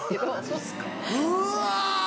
うわ！